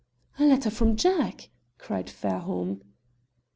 "A letter from Jack!" cried Fairholme.